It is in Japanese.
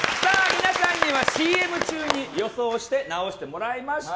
皆さんにはＣＭ中に予想して直してもらいました。